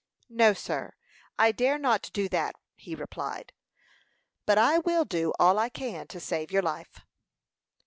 "No, sir. I dare not do that," he replied. "But I will do all I can to save your life."